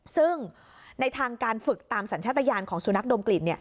ซึ่งในทางการฝึกตามสัญชาติยานของสุนัขดมกลิ่น